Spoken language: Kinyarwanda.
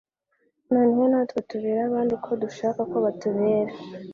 noneho natwe tubere abandi uko dushaka ko batubera.